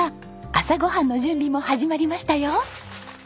朝ご飯の準備も始まりましたよ。